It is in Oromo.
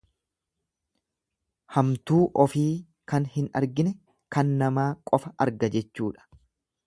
Hamtuu ofii kan hin argine kan namaa qofa arga jechuudha.